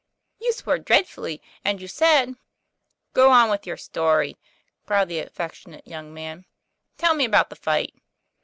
You swore dreadfully, and you said "' Go on with your story," growled the affectionate young man. 'Tell me about the fight."